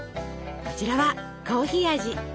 こちらはコーヒー味。